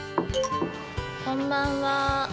こんばんは。